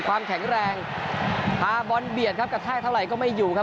ความแข็งแรงพาบอลเบียดครับกระแทกเท่าไหร่ก็ไม่อยู่ครับ